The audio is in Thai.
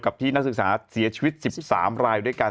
ที่นักศึกษาเสียชีวิต๑๓รายด้วยกัน